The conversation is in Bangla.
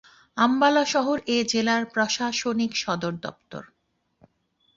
আম্বালা শহর এ জেলার প্রশাসনিক সদর দপ্তর।